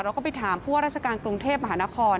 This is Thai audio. เราก็ไปถามผู้ว่าราชการกรุงเทพมหานคร